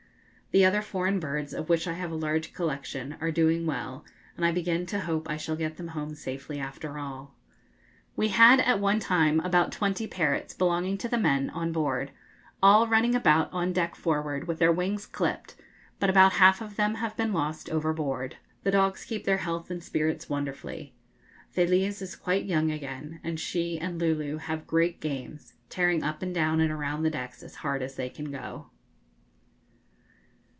The other foreign birds, of which I have a large collection, are doing well, and I begin to hope I shall get them home safely after all. We had at one time about twenty parrots, belonging to the men, on board, all running about on deck forward, with their wings clipped, but about half of them have been lost overboard. The dogs keep their health and spirits wonderfully. Félise is quite young again, and she and Lulu have great games, tearing up and down and around the decks as hard as they can go.